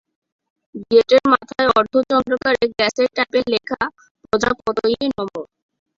গেটের মাথায় অর্ধচন্দ্রাকারে গ্যাসের টাইপে লেখা প্রজাপতয়ে নমঃ।